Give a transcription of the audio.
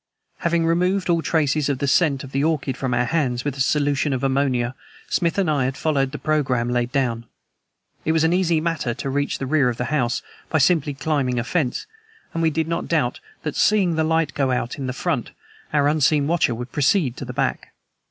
Having removed all traces of the scent of the orchid from our hands with a solution of ammonia Smith and I had followed the programme laid down. It was an easy matter to reach the rear of the house, by simply climbing a fence, and we did not doubt that seeing the light go out in the front, our unseen watcher would proceed to the back.